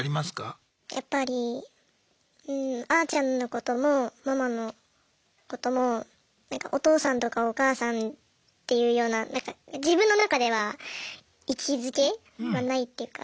やっぱりうんあーちゃんのこともママのこともお父さんとかお母さんっていうような自分の中では位置づけはないっていうか。